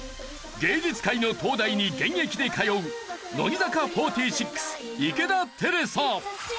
芸術界の東大に現役で通う乃木坂４６池田瑛紗。